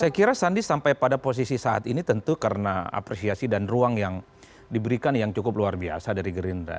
saya kira sandi sampai pada posisi saat ini tentu karena apresiasi dan ruang yang diberikan yang cukup luar biasa dari gerindra